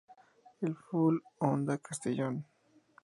El Full, Onda, Castellón.